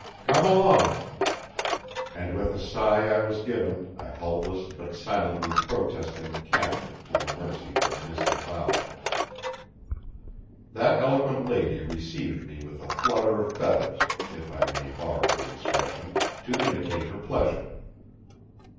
"Come along." And with a sigh I was given, a helpless, but silently protesting, captive, to the mercies of Mrs. Bowser. That eloquent lady received me with a flutter of feathers, if I may borrow the expression, to indicate her pleasure.